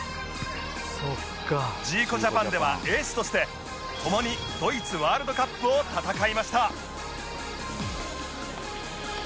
ジーコジャパンではエースとして共にドイツワールドカップを戦いました